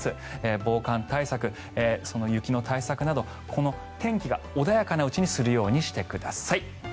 防寒対策、その雪の対策などこの天気が穏やかなうちにするようにしてください。